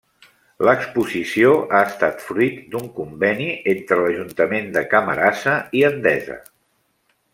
L'exposició ha estat fruit d'un conveni entre l'Ajuntament de Camarasa i Endesa.